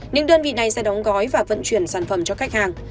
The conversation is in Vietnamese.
những đơn vị này sẽ đóng gói và vận chuyển sản phẩm cho khách hàng